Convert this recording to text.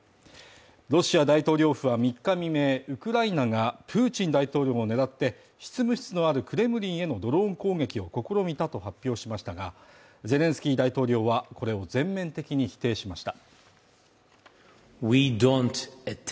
ロシア大統領府は３日未明、ウクライナがプーチン大統領を狙って執務室のあるクレムリンへのドローン攻撃を試みたと発表しましたが、ゼレンスキー大統領は、これを全面的に否定しました。